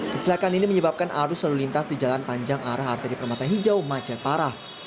kecelakaan ini menyebabkan arus lalu lintas di jalan panjang arah arteri permata hijau macet parah